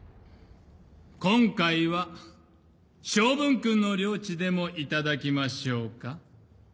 今回は昌文君の領地でも頂きましょうか。